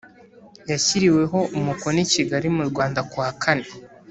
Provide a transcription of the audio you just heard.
yashyiriweho umukono i Kigali mu Rwanda kuwa kane